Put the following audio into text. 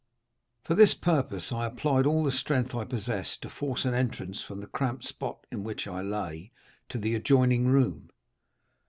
For this purpose I applied all the strength I possessed to force an entrance from the cramped spot in which I lay to the adjoining room.